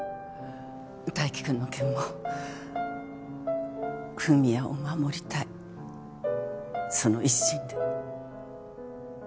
泰生君の件も文哉を守りたいその一心で。